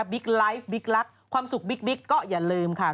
ไลฟ์บิ๊กลักษณ์ความสุขบิ๊กก็อย่าลืมค่ะ